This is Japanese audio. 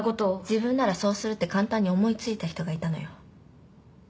自分ならそうするって簡単に思い付いた人がいたのよ。